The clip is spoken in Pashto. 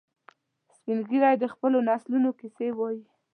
سپین ږیری د خپلو نسلونو کیسې وایي